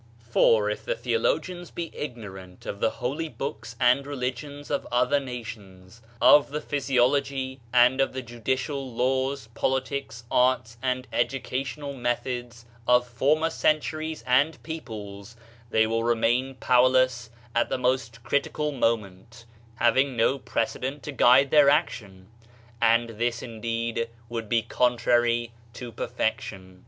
For, if the theologians be ignorant of the holy Books and religions of other nations, of the physi ology, and of the judicial laws, politics, arts and educational methods of former centuries and peo ples, they will remain powerless at the most critical moment, having no precedent to guide their action. And this indeed would be contrary to perfection.